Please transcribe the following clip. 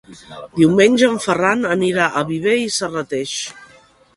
Diumenge en Ferran anirà a Viver i Serrateix.